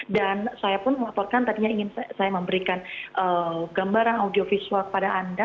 dan saya pun melaporkan tadinya ingin saya memberikan gambaran audiovisual kepada anda